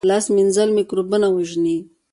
لاس مینځل مکروبونه وژني